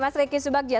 mas ricky subagja